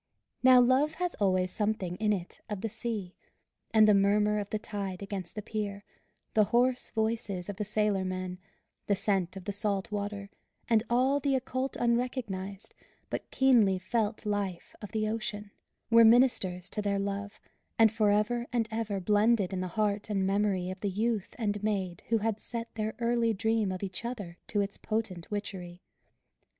Now Love has always something in it of the sea; and the murmur of the tide against the pier, the hoarse voices of the sailor men, the scent of the salt water, and all the occult unrecognized, but keenly felt life of the ocean, were ministers to their love, and forever and ever blended in the heart and memory of the youth and maid who had set their early dream of each other to its potent witchery.